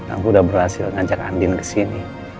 aku udah berhasil ngajak andin kesini